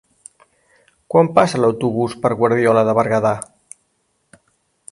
Quan passa l'autobús per Guardiola de Berguedà?